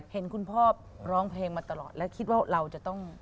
เห็นคุณพ่อร้องเพลงมาตลอดและคิดว่าเราจะต้อง